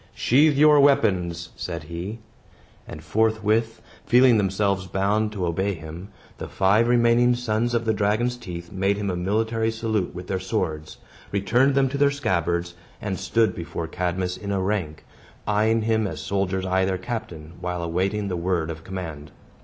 "Sheathe your weapons!" said he. And forthwith, feeling themselves bound to obey him, the five remaining sons of the dragon's teeth made him a military salute with their swords, returned them to the scabbards, and stood before Cadmus in a rank, eyeing him as soldiers eye their captain, while awaiting the word of command.